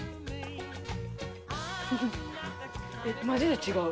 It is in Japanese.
マジで違う。